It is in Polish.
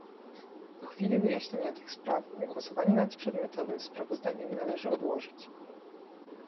Do chwili wyjaśnienia tych spraw głosowanie nad przedmiotowym sprawozdaniem należy odłożyć